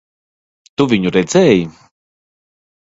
Tu viņu redzēji?